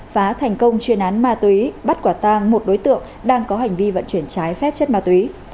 phá thành công chuyên án ma túy bắt quả tang một đối tượng đang có hành vi vận chuyển trái phép chất ma túy